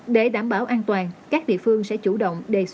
để đảm bảo an toàn các địa phương sẽ chủ động